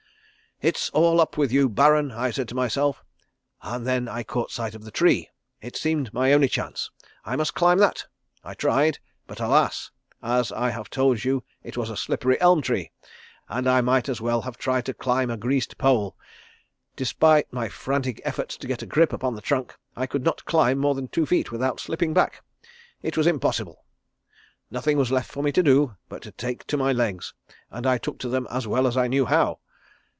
"'It's all up with you, Baron,' I said to myself, and then I caught sight of the tree. It seemed my only chance. I must climb that. I tried, but alas! As I have told you it was a slippery elm tree, and I might as well have tried to climb a greased pole. Despite my frantic efforts to get a grip upon the trunk I could not climb more than two feet without slipping back. It was impossible. Nothing was left for me to do but to take to my legs, and I took to them as well as I knew how.